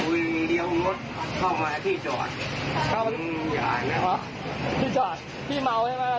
อุ้ยเดี๋ยวรถเข้ามาพี่จอดเขาอ๋อพี่จอดพี่เมาใช่ไหม